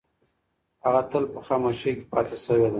هغه تل په خاموشۍ کې پاتې شوې ده.